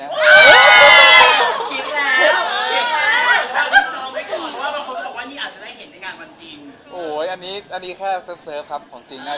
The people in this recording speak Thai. แล้วพอคนแซวมาเยอะเรารู้สึกอย่างไรบ้าง